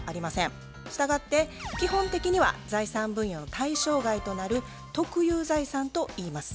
したがって基本的には財産分与の対象外となる特有財産といいます。